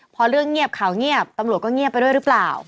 พอเรื่องเงียบข่าวเงียบตำรวจก็เงียบไปด้วยหรือเปล่า